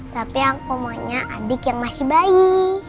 tapi aku maunya adik yang masih bayi